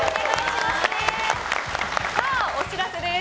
お知らせです。